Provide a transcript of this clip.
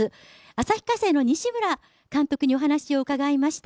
旭化成の西村監督にお話を伺いました。